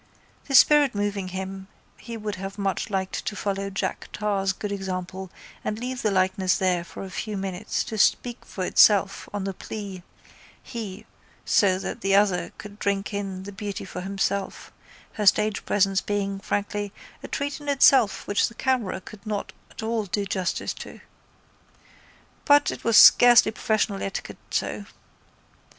The spirit moving him he would much have liked to follow Jack Tar's good example and leave the likeness there for a very few minutes to speak for itself on the plea he so that the other could drink in the beauty for himself, her stage presence being, frankly, a treat in itself which the camera could not at all do justice to. But it was scarcely professional etiquette so.